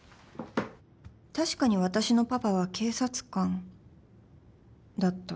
確かに私のパパは警察官だった